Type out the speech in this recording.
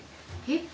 えっ？